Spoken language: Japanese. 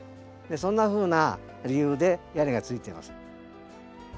そんなふうな理由で屋根がついてます。